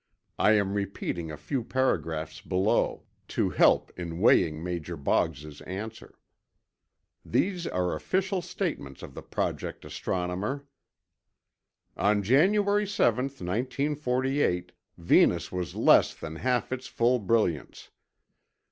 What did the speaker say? I am repeating a few paragraphs below, to help in weighing Major Boggs's answer.) These are official statements of the Project astronomer: "On January 7, 1948, Venus was less than half its full brilliance.